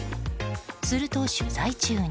すると、取材中に。